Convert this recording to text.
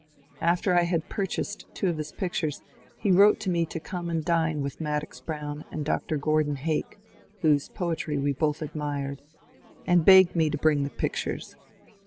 After I had purchased two of his pictures, he wrote to me to come and dine with Madox Brown and Dr. Gordon Hake, — whose poetry we both admired, — and begged me to bring the pictures.